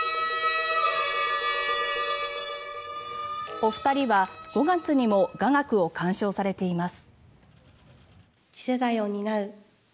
お二人は５月にも雅楽を鑑賞されています。